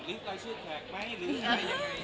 ลิฟต์รอยชุดแผลกไหมหรือไง